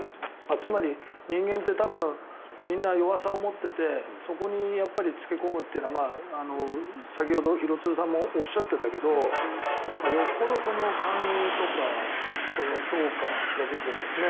つまり、人間って多分みんな弱さを持っていてそこに付け込むのは先ほど廣津留さんもおっしゃってたけどよほど勧誘とかの部分ですね